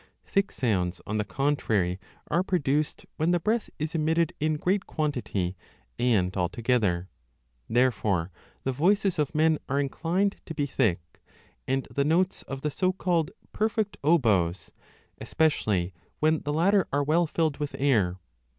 Thick sounds, on the contrary, are produced when the breath is emitted in great quantity and all together. There I0 fore the voices of men are inclined to be thick, and the notes of the so called perfect oboes, especially when the latter are well filled with air.